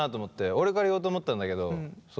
俺から言おうと思ったんだけどそう。